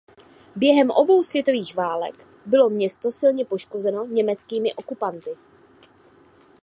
Během obou světových válek bylo město silně poškozeno německými okupanty.